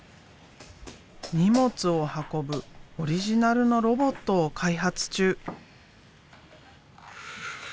荷物を運ぶオリジナルのロボットを開発中。